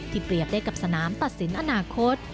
เปรียบได้กับสนามตัดสินอนาคต